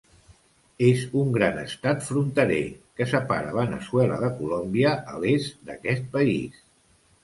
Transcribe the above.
És un gran estat fronterer, que separa Veneçuela de Colòmbia a l'est d'aquest país.